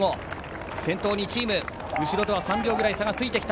先頭２チーム、後ろとは３秒くらい差がついてきた。